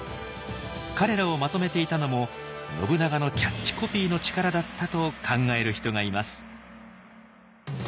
彼らをまとめていたのも信長のキャッチコピーの力だったと考える人がいます。